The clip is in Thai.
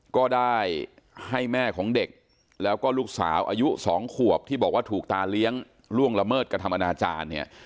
ก็ได้ให้แม่ของเด็กแล้วก็ลูกสาวอายุ๒ขวบที่บอกว่าถูกตาเลี้ยงล่วงละเมิดกระทำอนาจารย์เนี่ย